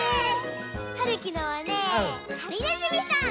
はるきのはねはりねずみさん。